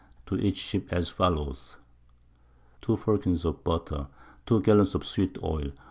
To each Ship as followeth. Two Firkins of Butter. _Two Gallons of Sweet Oil.